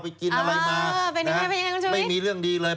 ไปกินอะไรมาไม่มีเรื่องดีเลย